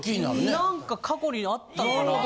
何か過去にあったのかなって。